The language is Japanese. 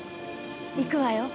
行くわよ。